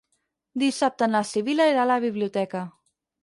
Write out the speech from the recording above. Dissabte na Sibil·la irà a la biblioteca.